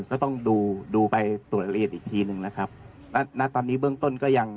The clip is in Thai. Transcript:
ก็ต้องดูดูไปตรวจละเอียดอีกทีหนึ่งนะครับณตอนนี้เบื้องต้นก็ยัง